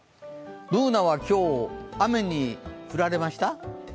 Ｂｏｏｎａは今日、雨に降られました？